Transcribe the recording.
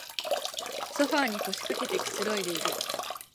ソファーに腰かけてくつろいでいる